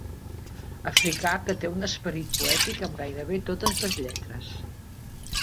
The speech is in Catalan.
Africà que té un esperit poètic amb gairebé totes les lletres.